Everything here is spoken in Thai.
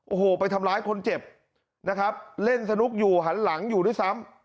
โอ้โหไปทำร้ายคนเจ็บนะครับเล่นสนุกอยู่หันหลังอยู่ด้วยซ้ำ